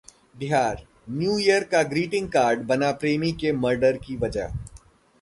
Bihar: new year का greeting card बना प्रेमी के मर्डर की वजह